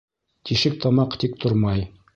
Тишек тамаҡ тик тормай.